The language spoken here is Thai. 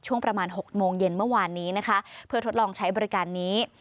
ช่วงประมาณ๖โมงเย็นเมื่อวานนี้นะคะเพื่อทดลองใช้บริการนี้